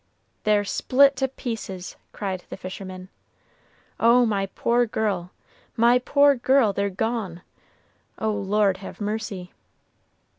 "They're split to pieces!" cried the fisherman. "Oh, my poor girl my poor girl they're gone! O Lord, have mercy!"